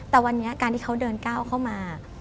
แต่วันนี้การที่เขาเดินก้าวเข้ามา